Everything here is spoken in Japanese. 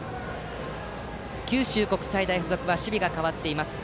九州国際大付属は守備が代わっています。